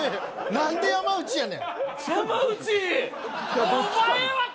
何で「山内！」やねん。